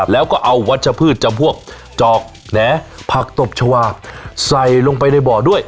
แล้วก็เอาวัชพืชจำพวกจอกแหน่ผักตบชาวาใส่ลงไปในบ่อด้วย